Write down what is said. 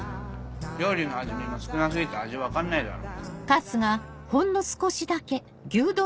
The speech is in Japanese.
料理の味見も少な過ぎたら味分かんないだろ。